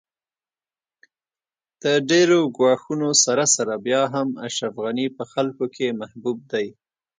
د ډېرو ګواښونو سره سره بیا هم اشرف غني په خلکو کې محبوب دی